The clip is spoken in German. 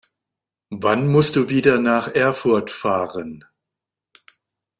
Wann musst du wieder nach Erfurt fahren?